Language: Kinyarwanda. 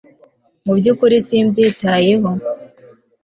mubyukuri simbyitayeho